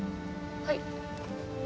はい。